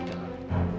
dan masih di sekel